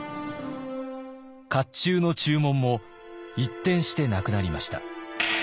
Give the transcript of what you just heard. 甲冑の注文も一転してなくなりました。